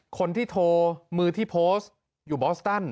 คนที่โทรมือที่โพสต์อยู่บอสตัน